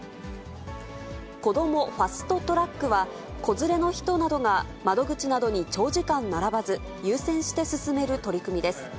こどもファスト・トラックは子連れの人などが窓口などに長時間並ばず、優先して進める取り組みです。